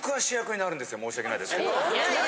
申し訳ないですけど。